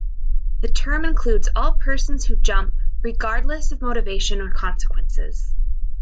The term includes all persons who jump, regardless of motivation or consequences.